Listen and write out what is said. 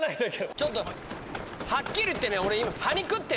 ちょっとはっきり言ってね。